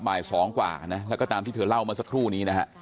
บ่าย๒กว่านะแล้วก็ตามที่เธอเล่าเมื่อสักครู่นี้นะฮะ